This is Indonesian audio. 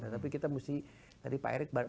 tapi kita mesti tadi pak erick